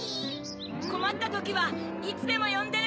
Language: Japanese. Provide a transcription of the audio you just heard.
こまったときはいつでもよんでね！